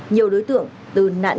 nhiều đối tượng từ nạn nhân